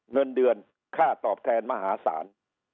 เงินเดือนค่าตอบแทนมหาศาล